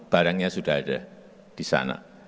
barangnya sudah ada di sana